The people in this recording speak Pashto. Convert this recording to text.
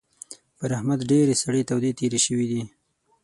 پر احمد ډېرې سړې تودې تېرې شوې دي.